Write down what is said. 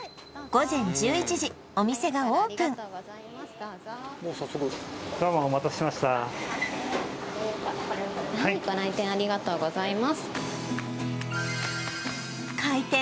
午前１１時お店がオープン開店